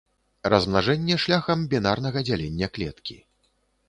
Размнажэнне шляхам бінарнага дзялення клеткі.